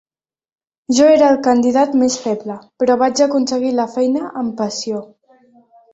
Jo era el candidat més feble, però vaig aconseguir la feina amb passió.